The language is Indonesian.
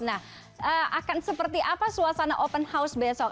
nah akan seperti apa suasana open house besok